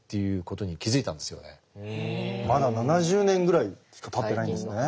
まだ７０年ぐらいしかたってないんですね。